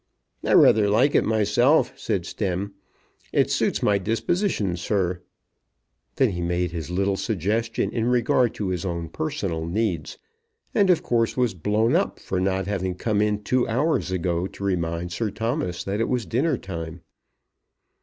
"I rather like it myself," said Stemm. "It suits my disposition, sir." Then he made his little suggestion in regard to his own personal needs, and of course was blown up for not having come in two hours ago to remind Sir Thomas that it was dinner time.